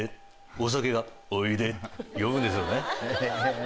お酒が「おいで」呼ぶんですよね。